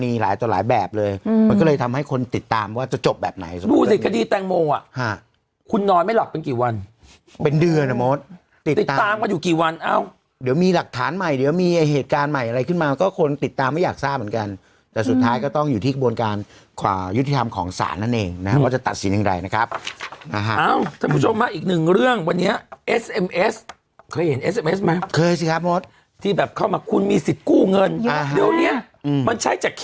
มีหลายต่อหลายแบบเลยมันก็เลยทำให้คนติดตามว่าจะจบแบบไหนดูสิคดีแตงโมงอ่ะคุณนอนไม่หลอกเป็นกี่วันเป็นเดือนอ่ะโมทติดตามว่าอยู่กี่วันเอาเดี๋ยวมีหลักฐานใหม่เดี๋ยวมีเหตุการณ์ใหม่อะไรขึ้นมาก็คนติดตามไม่อยากทราบเหมือนกันแต่สุดท้ายก็ต้องอยู่ที่กระบวนการควายุทธิธรรมของศาลนั่นเองนะว่าจะตั